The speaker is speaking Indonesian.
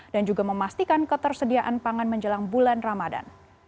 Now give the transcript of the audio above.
dan juga memastikan ketersediaan pangan menjelang bulan ramadan